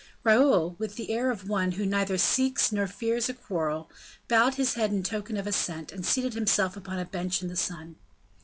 Raoul, with the air of one who neither seeks nor fears a quarrel, bowed his head in token of assent, and seated himself upon a bench in the sun.